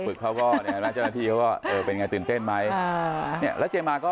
ฝึกเขาก็เจ้าหน้าที่เขาก็เออเป็นไงตื่นเต้นไหมเนี่ยแล้วเจมส์มาก็